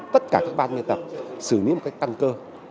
tất cả các ban biên tập xử lý một cách căn cơ